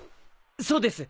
そうです！